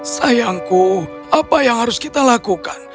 sayangku apa yang harus kita lakukan